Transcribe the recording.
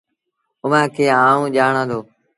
اُئآݩٚ کي آئوٚنٚ ڄآڻآنٚ دو۔